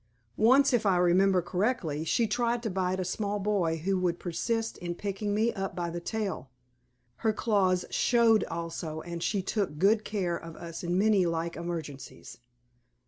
Once, if I remember correctly, she tried to bite a small boy who would persist in picking me up by the tail. Her claws showed also and she took good care of us in many like emergencies.